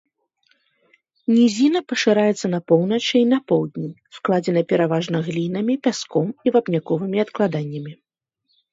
Нізіна пашыраецца на поўначы і на поўдні, складзена пераважна глінамі, пяском і вапняковымі адкладаннямі.